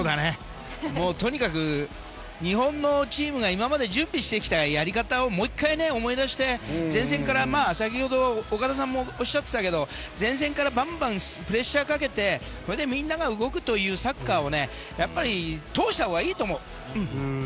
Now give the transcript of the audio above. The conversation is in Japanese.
とにかく日本のチームが今まで準備してきたやり方をもう一度思い出して前線から、先ほど岡田さんもおっしゃっていたけど前線からバンバンプレッシャーをかけてみんなが動くというサッカーを通したほうがいいと思う。